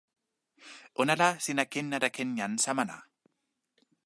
ona la sina ken ala ken jan Samana.